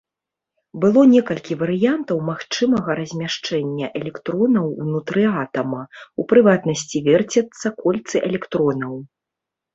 Было некалькі варыянтаў магчымага размяшчэння электронаў ўнутры атама, у прыватнасці верцяцца кольцы электронаў.